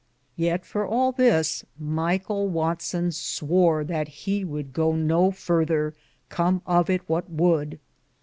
Yeate, for all this, Myghell Watson swore that he would goo no farther, com of it what would.